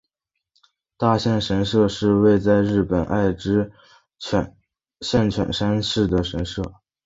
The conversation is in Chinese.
大县神社是位在日本爱知县犬山市的神社。